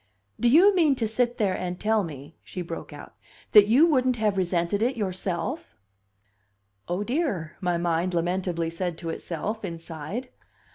"Do you mean to sit there and tell me," she broke out, "that you wouldn't have resented it yourself?" "O dear!" my mind lamentably said to itself, inside.